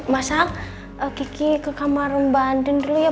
masa kiki ke kamar rumah andin dulu ya